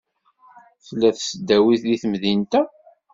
Tella tesdawit deg temdint-a?